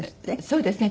そうですね。